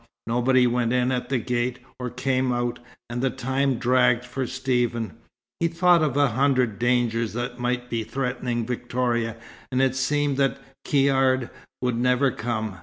Nobody went in at the gate, or came out, and the time dragged for Stephen. He thought of a hundred dangers that might be threatening Victoria, and it seemed that Caird would never come.